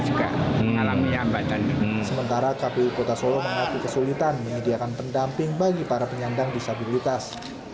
sementara kpu kota solo mengaku kesulitan menyediakan pendamping bagi para penyandang disabilitas